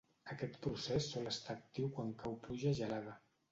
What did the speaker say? Aquest procés sol estar actiu quan cau pluja gelada.